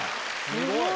すごい。